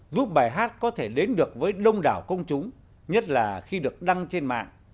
giúp bài hát có thể đến được với đông đảo công chúng nhất là khi được đăng trên mạng